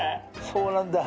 そうなんだ。